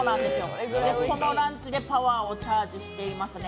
このランチでパワーをチャージしていますね。